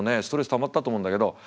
ストレスたまったと思うんだけど。